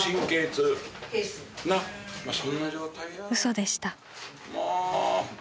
［嘘でした］